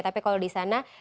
tapi kalau di sana